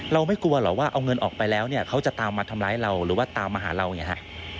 ไม่กลัวเหรอว่าเอาเงินออกไปแล้วเนี่ยเขาจะตามมาทำร้ายเราหรือว่าตามมาหาเราไงฮะ